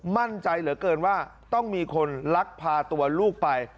มั่นใจเหลือเกินว่าต้องมีคนลักพาตัวลูกไป